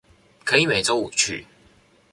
可以每週五去